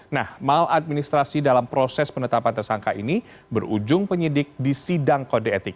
nah maladministrasi dalam proses penetapan tersangka ini berujung penyidik di sidang kode etik